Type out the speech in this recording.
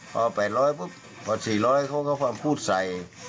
พอแปดร้อยปุ๊บพอสี่ร้อยเขาก็ความพูดใส่